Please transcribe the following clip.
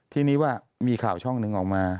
ทีนี้ว่ามีข่าวช่องหนึ่งออกมา